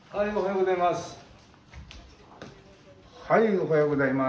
おはようございます。